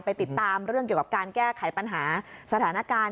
ติดตามเรื่องเกี่ยวกับการแก้ไขปัญหาสถานการณ์